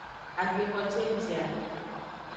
Agbexo cenji a.